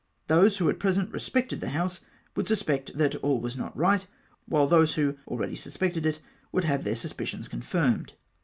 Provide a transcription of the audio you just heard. Those who at present respected the House would suspect that all was not right ; whilst those who already suspected it would have their suspicions con firmed."